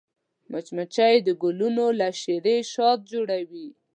مچمچۍ د ګلونو له شيرې شات جوړوي